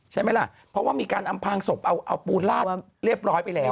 ใช่ไหมล่ะเพราะว่ามีการอำพางศพเอาปูนลาดเรียบร้อยไปแล้ว